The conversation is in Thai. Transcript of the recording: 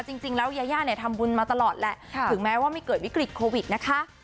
จริงแล้วยาย่าเนี่ยทำบุญมาตลอดแหละถึงแม้ว่าไม่เกิดวิกฤตโควิดนะคะ